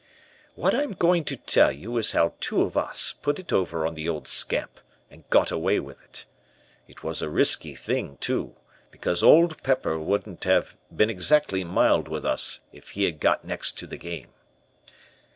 "What I am going to tell you is how two of us put it over on the old scamp, and got away with it. It was a risky thing, too, because Old Pepper wouldn't have been exactly mild with us if he had got next to the game.